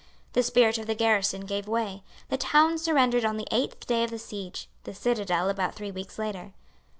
The spirit of the garrison gave way. The town surrendered on the eighth day of the siege, the citadel about three weeks later.